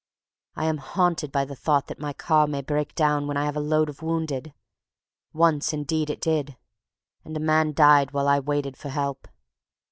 I am haunted by the thought that my car may break down when I have a load of wounded. Once indeed it did, and a man died while I waited for help.